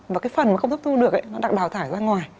và cái phần mà không hấp thu được ấy nó đạc đào thải ra ngoài